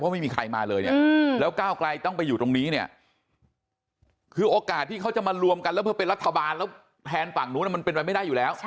ไม่มีใครมาเลยเนี่ยแล้วก้าวไกลต้องไปอยู่ตรงนี้เนี่ยคือโอกาสที่เขาจะมารวมกันแล้วเพื่อเป็นรัฐบาลแล้วแทนฝั่งนู้นมันเป็นไปไม่ได้อยู่แล้ว